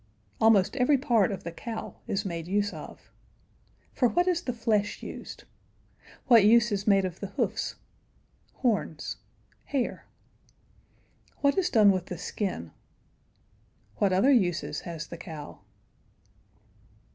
Almost every part of the cow is made use of. For what is the flesh used? What use is made of the hoofs? horns? hair? What is done with the skin? What other uses has the cow?